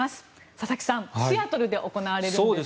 佐々木さん、シアトルで行われるんですよね。